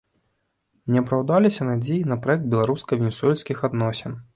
Не апраўдаліся надзеі і на праект беларуска-венесуэльскіх адносін.